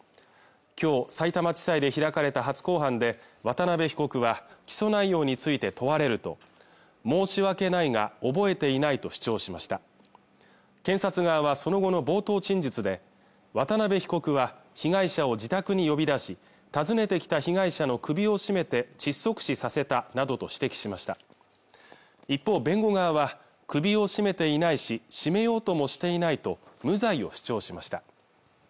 今日さいたま地裁で開かれた初公判で渡部被告は起訴内容について問われると申し訳ないが覚えていないと主張しました検察側はその後の冒頭陳述で渡部被告は被害者を自宅に呼び出し訪ねてきた被害者の首を絞めて窒息死させたなどと指摘しました一方弁護側は首を絞めていないし絞めようともしていないと無罪を主張しました